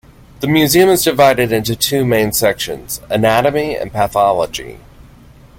The museum is divided into two main sections: Anatomy and Pathology.